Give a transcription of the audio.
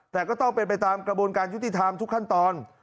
แต่ก็ต้องเป็นไปตามกระบวนการยุติธรรมทุกขั้นตอน